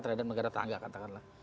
terhadap negara tangga katakanlah